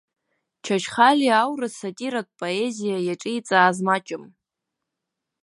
Чачхалиа аурыс сатиратә поезиа иаҿиҵааз маҷым.